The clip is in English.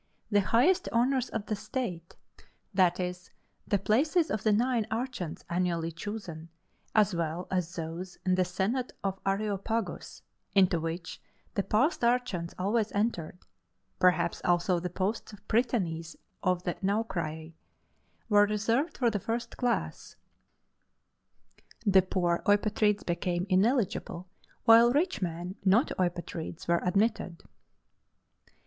The highest honors of the state that is, the places of the nine archons annually chosen, as well as those in the senate of Areopagus, into which the past archons always entered (perhaps also the posts of Prytanes of the Naukrari) were reserved for the first class: the poor Eupatrids became ineligible, while rich men, not Eupatrids, were admitted.